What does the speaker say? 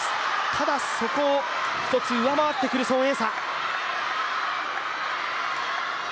ただ、そこを一つ上回ってくる孫エイ莎。